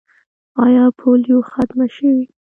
آیا پولیو ختمه شوې؟